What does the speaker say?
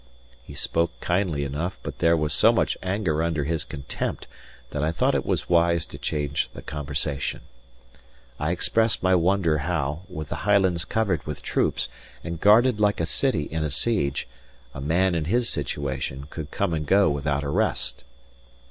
He spoke kindly enough, but there was so much anger under his contempt that I thought it was wise to change the conversation. I expressed my wonder how, with the Highlands covered with troops, and guarded like a city in a siege, a man in his situation could come and go without arrest.